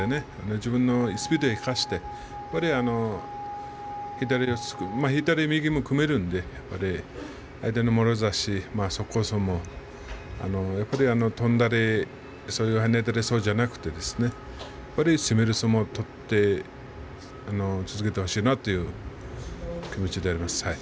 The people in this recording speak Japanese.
自分のスピードを生かしてやっぱり、左四つ左、右も組めるので相手のもろ差し、速攻戦も跳んだり、はねたりそうじゃなくてですねやっぱり、攻める相撲取って続けてほしいなという気持ちであります。